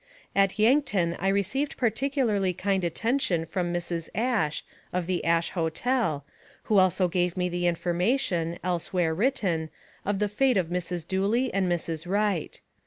At Yankton I received particularly kind attention, from Mrs. Ash, of the Ash Hotel, who also gave me the information, elsewhere written, of the fate of Mrs. Dooley and Mrs. Wright.